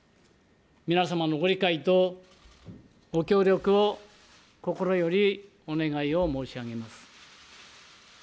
皆様のご理解とご協力を心よりお願いを申し上げます。